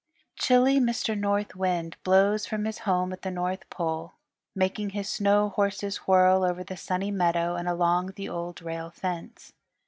Chilly Mr. North Wind blows from his home at the North Pole, making his snow horses whirl over the Sunny Meadow and along the Old Rail Fence.